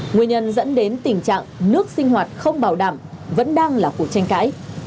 nguyên nhân dẫn đến tình trạng nước sinh hoạt không bảo đảm vẫn đang là cuộc tranh cãi